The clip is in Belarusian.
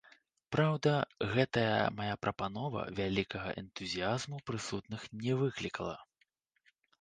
Праўда, гэтая мая прапанова вялікага энтузіязму прысутных не выклікала.